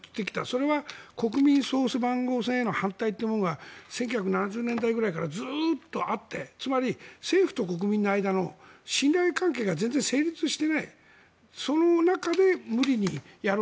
それは国民総背番号制への反対というのが１９７０年代くらいからずっとあって政府と国民の間の信頼関係が全然成立していない中で。